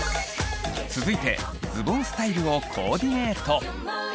続いてズボンスタイルをコーディネート。